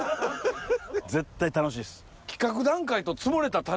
絶対楽しいです。